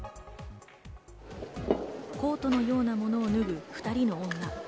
コートのようなものを脱ぐ２人の女。